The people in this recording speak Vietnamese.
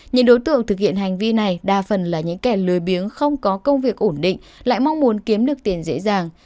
những đối tượng thực hiện hành vi này đa phần là những kẻ lừa bi biếng không có công việc ổn định lại mong muốn kiếm được tiền dễ dàng